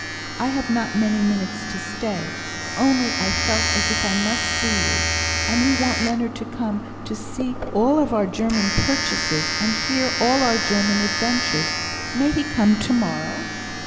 "I have not many minutes to stay, only I felt as if I must see you. And we want Leonard to come to us to see all our German purchases, and hear all our German adventures. May he come to morrow?"